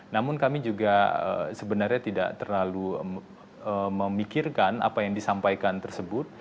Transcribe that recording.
namun kami juga sebenarnya tidak terlalu memikirkan apa yang disampaikan tersebut